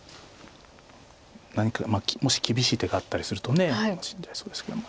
何かもし厳しい手があったりすると死んじゃいそうですけども。